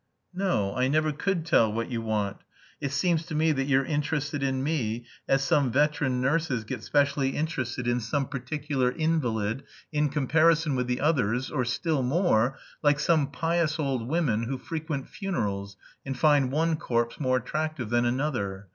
"No, I never could tell what you want. It seems to me that you're interested in me, as some veteran nurses get specially interested in some particular invalid in comparison with the others, or still more, like some pious old women who frequent funerals and find one corpse more attractive than another.